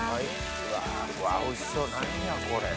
うわおいしそう何やこれ。